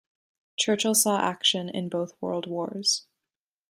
Churchill saw action in both World Wars.